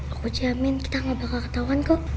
aku jamin kita gak bakal ketahuan kok